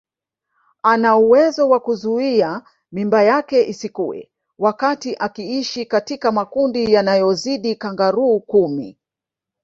Ana uwezo wa kuzuia mimba yake isikue wakati akiishi katika makundi yanayozidi kangaroo kumi